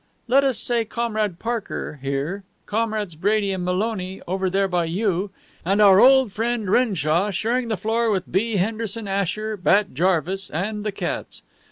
Let us say, Comrade Parker here, Comrades Brady and Maloney over there by you, and our old friend Renshaw sharing the floor with B. Henderson Asher, Bat Jarvis, and the cats.